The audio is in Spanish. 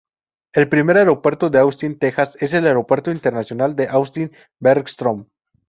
El primer aeropuerto de Austin, Texas es el Aeropuerto Internacional de Austin-Bergstrom.